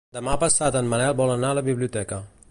Demà passat en Manel vol anar a la biblioteca.